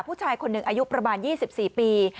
ผู้ชายคนหนึ่งอายุประมาณ๒๔ปี